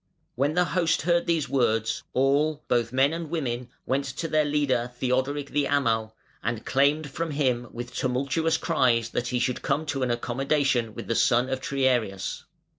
When the host heard these words, all, both men and women, went to their leader Theodoric the Amal, and claimed from him with tumultuous cries that he should come to an accommodation with the son of Tnarius.